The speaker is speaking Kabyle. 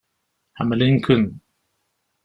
Ḥemmlen-ken.